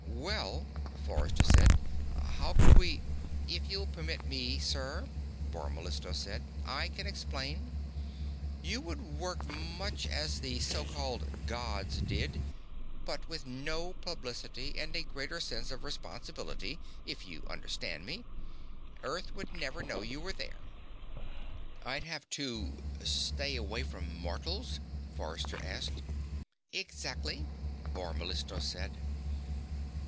"Well," Forrester said, "how could we " "If you'll permit me, sir," Bor Mellistos said, "I can explain. You would work much as the so called Gods did but with no publicity, and a greater sense of responsibility, if you understand me. Earth would never know you were there." "I'd have to stay away from mortals?" Forrester asked. "Exactly," Bor Mellistos said.